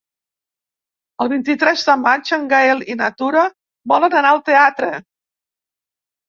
El vint-i-tres de maig en Gaël i na Tura volen anar al teatre.